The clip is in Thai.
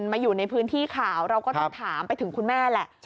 มาอยู่ในพื้นที่ข่าวเราก็ต้องถามไปถึงคุณแม่แหละ